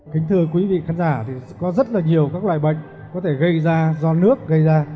kính thưa quý vị khán giả thì có rất là nhiều các loài bệnh có thể gây ra do nước gây ra